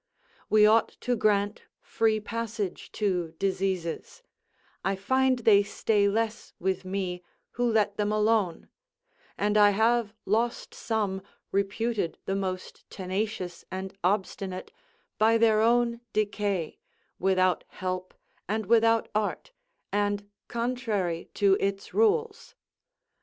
We ought to grant free passage to diseases; I find they stay less with me, who let them alone; and I have lost some, reputed the most tenacious and obstinate, by their own decay, without help and without art, and contrary to its rules.